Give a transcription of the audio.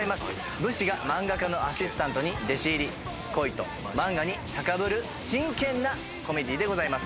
武士が漫画家のアシスタントに弟子入りし、恋と漫画に高ぶる真剣なコメディーです。